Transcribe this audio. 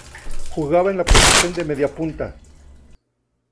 Jugaba en la posición de mediapunta.